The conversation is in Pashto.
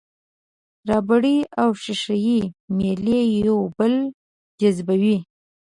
ربړي او ښيښه یي میلې یو بل جذبوي.